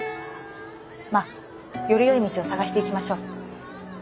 まっよりよい道を探していきましょう。